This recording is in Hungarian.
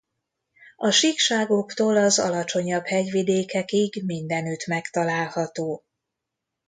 A síkságoktól az alacsonyabb hegyvidékekig mindenütt megtalálható.